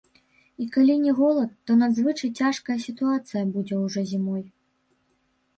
І калі не голад, то надзвычай цяжкая сітуацыя будзе ўжо зімой.